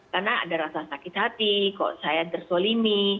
karena ada rasa sakit hati kok saya tersolimi